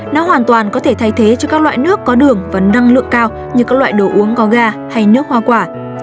nó hoàn toàn có thể thay thế cho các loại nước có đường và năng lượng cao như các loại đồ uống có ga hay nước hoa quả